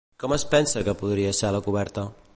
Com es pensa que podria ser la coberta?